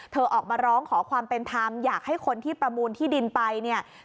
ออกมาร้องขอความเป็นธรรมอยากให้คนที่ประมูลที่ดินไปเนี่ย